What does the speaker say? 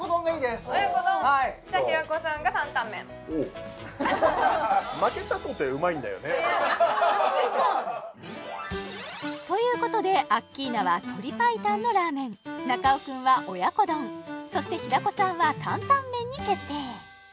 親子丼はいおう別にそうなのよということでアッキーナは鶏白湯のラーメン中尾くんは親子丼そして平子さんは担々麺に決定